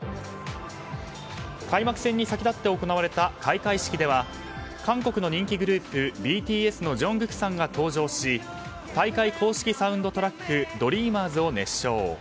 開幕戦に先立って行われた開会式では韓国の人気グループＢＴＳのジョングクさんが登場し大会公式サウンドトラック「Ｄｒｅａｍｅｒｓ」を熱唱。